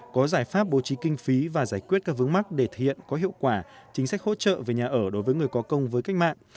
có giải pháp bố trí kinh phí và giải quyết các vướng mắc để thực hiện có hiệu quả chính sách hỗ trợ về nhà ở đối với người có công với cách mạng